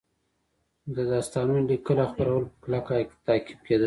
د داستانونو لیکل او خپرول په کلکه تعقیب کېدل